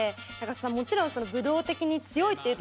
もちろん。